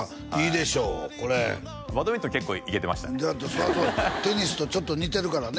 そりゃそうテニスとちょっと似てるからね